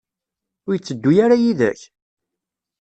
Ur yetteddu ara yid-k?